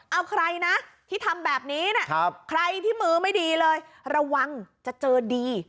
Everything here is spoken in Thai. เอาใครนะที่ทำแบบนี้นะใครที่มือไม่ดีเลยระวังจะเจอดี